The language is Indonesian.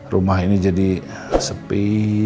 rumah ini jadi sepi